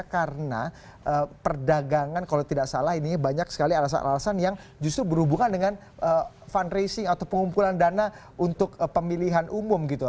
karena perdagangan kalau tidak salah ini banyak sekali alasan alasan yang justru berhubungan dengan fundraising atau pengumpulan dana untuk pemilihan umum gitu